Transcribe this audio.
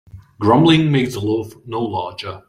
Grumbling makes the loaf no larger.